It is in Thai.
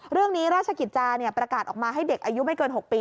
เรื่องนี้ราชกิจจารย์เนี่ยประกาศออกมาให้เด็กอายุไม่เกิน๖ปี